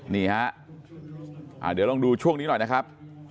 นี่ฮะเดี๋ยวลองดูช่วงนี้หน่อยนะครับ